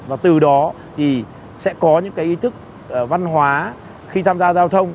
và từ đó thì sẽ có những cái ý thức văn hóa khi tham gia giao thông